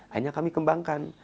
hanya kami kembangkan